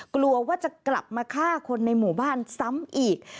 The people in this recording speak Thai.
กลัวว่าจะกลับมาฆ่าคนในหมู่บ้านซ้ำอีก